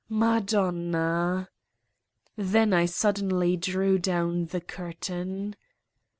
Madonna! Then I suddenly drew down the curtain